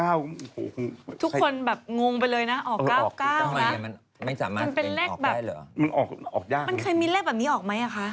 คือทุกคนแบบงงไปเลยนะออก๙๙มันเป็นเลขแบบมันออกยากมันเคยมีเลขแบบนี้ออกไหมคะ